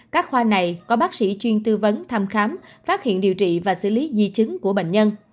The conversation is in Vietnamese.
các khoa này có bác sĩ chuyên tư vấn thăm khám phát hiện điều trị và xử lý di chứng của bệnh nhân